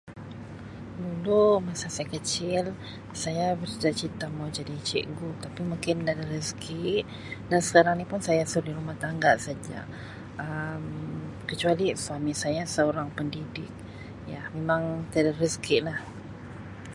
Dulu masa saya kecil saya bercita-cita mau jadi cikgu tapi mungkin nda da rezeki dan sekarang ni pun saya suri rumah tangga saja Um kecuali suami saya seorang pendidik ya memang tiada rezeki lah.